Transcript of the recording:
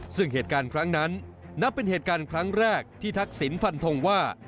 ซึ่งเหตุการณ์ครั้งนั้นนับเป็นเหตุการณ์ครั้งแรกที่ทักษิณฟันทงว่า